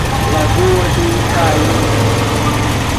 Lagoa de Itaenga